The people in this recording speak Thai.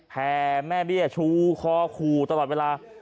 แห่แม่เบี้ยชูคอขู่ตลอดเวลา